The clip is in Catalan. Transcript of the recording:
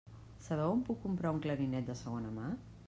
Sabeu on puc comprar un clarinet de segona mà?